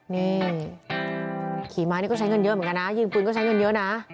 นี่ขี่ม้านี่ก็ใช้เงินเยอะเหมือนกันนะยิงปืนก็ใช้เงินเยอะนะ